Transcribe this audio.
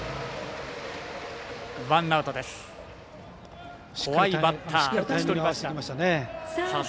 ワンアウトです。